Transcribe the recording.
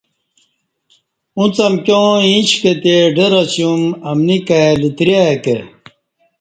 اݩڅ امکیاں ایݩش کہ تے ڈر اسیوم امنی کائ لتری ا ی کہ